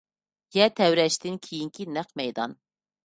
يەر تەۋرەشتىن كېيىنكى نەق مەيدان.